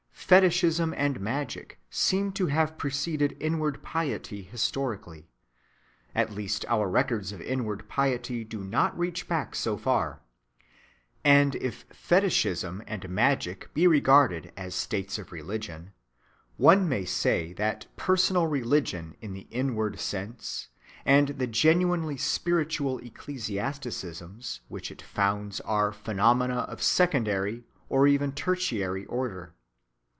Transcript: Fetishism and magic seem to have preceded inward piety historically—at least our records of inward piety do not reach back so far. And if fetishism and magic be regarded as stages of religion, one may say that personal religion in the inward sense and the genuinely spiritual ecclesiasticisms which it founds are phenomena of secondary or even tertiary order.